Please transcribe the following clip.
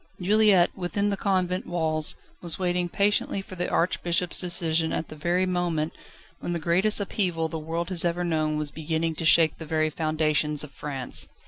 Juliette, within the convent walls, was waiting patiently for the Archbishop's decision at the very moment, when the greatest upheaval the world has ever known was beginning to shake the very foundations of France.